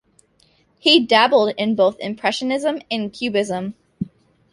He dabbled in both Impressionism and Cubism.